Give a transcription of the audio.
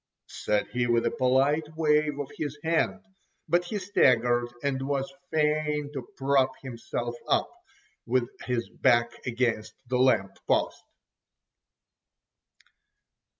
said he with a polite wave of his hand, but he staggered, and was fain to prop himself up with his back against the lamp post.